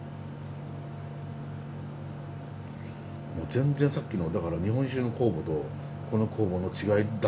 全然さっきのだから日本酒の酵母とこの酵母の違いだけでしょ